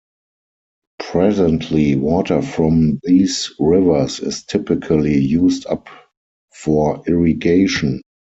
Presently water from these rivers is typically used up for irrigation.